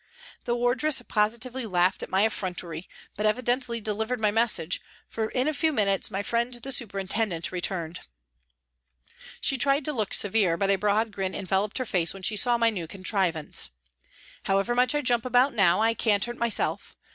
The wardress positively laughed at my effrontery, but evidently delivered my message, for in a few minutes my friend the superintendent returned. She tried to look severe, but a broad grin enveloped her face when she saw my new contrivance. " However much I jump about now, I can't hurt myself.